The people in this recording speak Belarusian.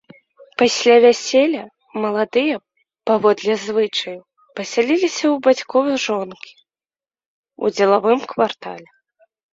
Пасля вяселля маладыя, паводле звычаю, пасяліліся ў бацькоў жонкі, у дзелавым квартале.